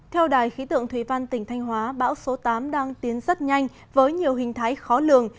theo đài khí tượng thủy văn tỉnh thanh hóa bão số tám đang tiến rất nhanh với nhiều hình thái khó lường